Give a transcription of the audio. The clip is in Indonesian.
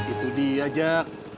itu dia jak